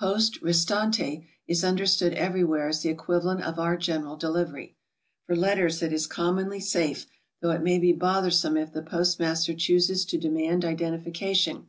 'Tos'te restante" is understood everyw'here as t'he equivalent of our "General Delivery." For letters it is commonly safe, thoug'h it may be bothersome if the postmaster chooses to demand identification.